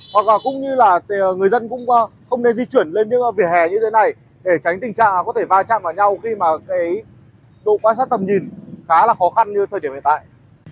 hoặc là cũng như là người dân cũng không nên di chuyển lên những vỉa hè như thế này để tránh tình trạng có thể va chạm vào nhau khi mà cái độ quan sát tầm nhìn khá là khó khăn như thời điểm hiện tại